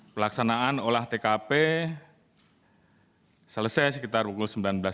pelaksanaan olah tkp selesai sekitar pukul sembilan belas tiga puluh